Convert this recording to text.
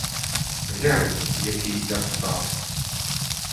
Глянь, який я став.